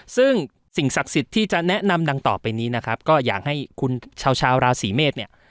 ซึ่งสิ่งศักดิ์สิทธิ์ที่จะแนะนำดังต่อไปนี้นะครับก็อยากให้คุณชาวชาวราศีเมษเนี่ย